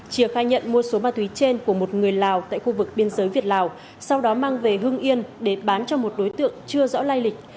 chia khai nhận mua số ma túy trên của một người lào tại khu vực biên giới việt lào sau đó mang về hương yên để bán cho một đối tượng chưa rõ lai lịch